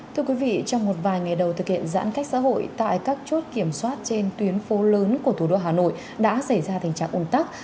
thưa quý vị trong một vài ngày đầu thực hiện giãn cách xã hội tại các chốt kiểm soát trên tuyến phố lớn của thủ đô hà nội đã xảy ra tình trạng ủng tắc